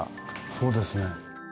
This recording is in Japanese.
そうですね。